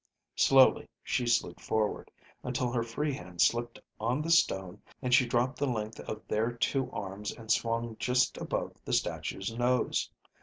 Slowly she slid forward, until her free hand slipped on the stone and she dropped the length of their two arms and swung just above the statue's nose.